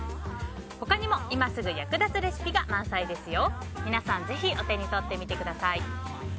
他にも今すぐ役立つレシピが満載ですよ。